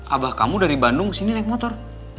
abah kamu dari bandung kesini naik motor